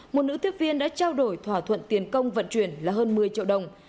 một nữ tiếp viên đã trao đổi thỏa thuận tiền công vận chuyển là hơn một mươi triệu đồng